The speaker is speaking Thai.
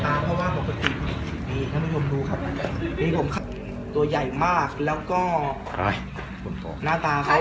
เพราะว่าปกติมีท่านผู้ชมดูครับมีผมตัวใหญ่มากแล้วก็หน้าตาเขา